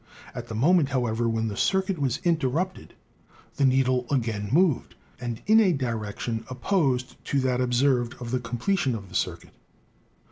At the moment, however, when the circuit was interrupted the needle again moved, and in a direction opposed to that observed on the completion of the circuit."